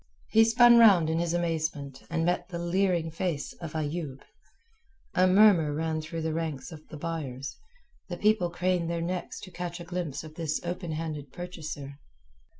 He spun round in his amazement and met the leering face of Ayoub. A murmur ran through the ranks of the buyers, the people craned their necks to catch a glimpse of this open handed purchaser.